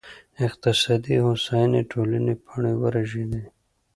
اقتصادي هوساینې ټولې پاڼې ورژېدې